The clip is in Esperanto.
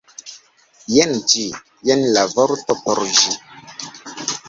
Jen ĝi, jen la vorto por ĝi